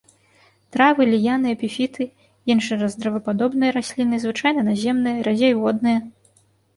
Травы, ліяны, эпіфіты, іншы раз дрэвападобныя расліны, звычайна наземныя, радзей водныя.